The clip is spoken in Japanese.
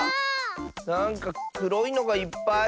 なんかくろいのがいっぱい。